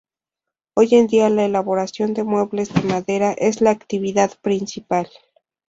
Hoy en día la elaboración de muebles de madera es la actividad principal.